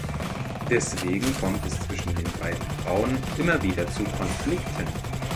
Deswegen kommt es zwischen den beiden Frauen immer wieder zu Konflikten.